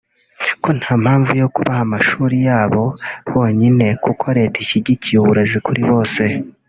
ko nta mpamvu yo kubaha amashuri yabo bonyine kuko Leta ishyigikiye uburezi kuri bose